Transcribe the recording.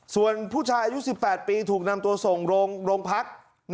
ส่วนผู้ชายอายุ๑๘ปีถูกนำตัวส่งโรงพัก